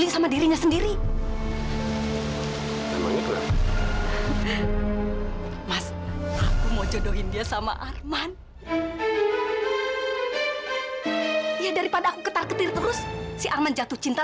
sampai jumpa di video selanjutnya